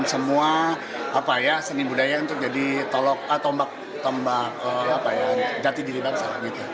semua seni budaya untuk jadi tombak jati diri bangsa